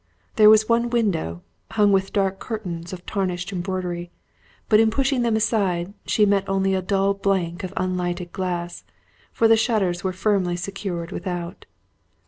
There was one window, hung with dark curtains of tarnished embroidery, but in pushing them aside, she met only a dull blank of unlighted glass, for the shutters were firmly secured without.